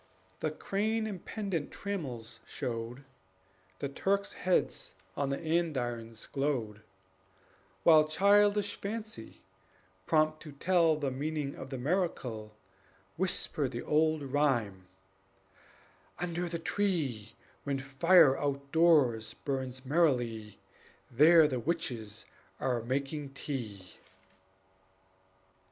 The crane and pendent trammels showed, The Turks' heads on the andirons glowed; While childish fancy, prompt to tell The meaning of the miracle, Whispered the old rhyme: "Under the tree, When fire outdoors burns merrily, There the witches are making tea."